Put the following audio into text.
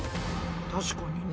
確かにね。